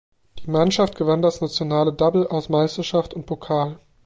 Die Mannschaft gewann das nationale Double aus Meisterschaft und Pokal.